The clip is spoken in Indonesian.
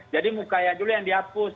jadi muka yang dihapus